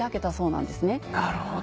なるほど。